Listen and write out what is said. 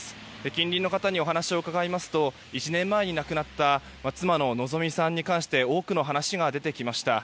近隣の方にお話を伺いますと１年前に亡くなった妻の希美さんに関して多くの話が出てきました。